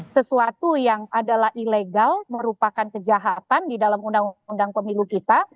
sesuatu yang adalah ilegal merupakan kejahatan di dalam undang undang pemilu kita